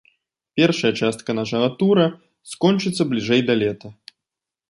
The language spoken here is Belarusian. Першая частка нашага тура скончыцца бліжэй да лета.